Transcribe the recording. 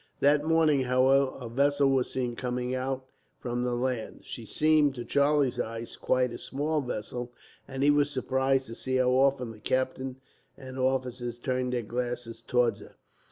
That morning, however, a vessel was seen coming out from the land. She seemed, to Charlie's eyes, quite a small vessel, and he was surprised to see how often the captain and officers turned their glasses towards her.